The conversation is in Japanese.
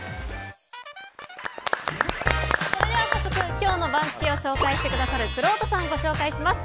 それでは早速今日の番付をご紹介してくださるくろうとさんご紹介します。